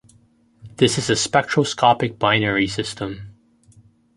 This is a spectroscopic binary system.